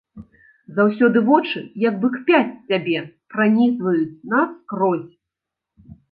Заўсёды вочы як бы кпяць з цябе, пранізваюць наскрозь.